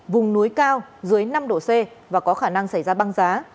vùng núi cao dưới năm độ c và có khả năng xảy ra băng giá